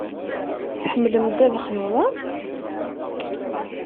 Tḥemmlem ddabex n uḍaṛ?